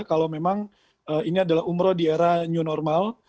kalau memang ini adalah umroh di era new normal